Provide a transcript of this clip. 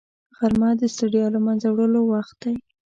غرمه د ستړیا له منځه وړلو وخت دی